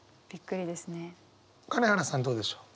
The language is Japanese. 金原さんどうでしょう。